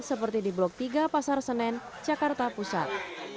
seperti di blok tiga pasar senen jakarta pusat